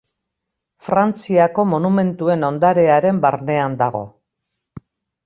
Frantziako Monumentuen Ondarearen barnean dago.